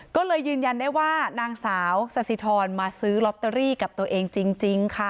ก็เลยยืนยันได้ว่านางสาวสสิทรมาซื้อลอตเตอรี่กับตัวเองจริงค่ะ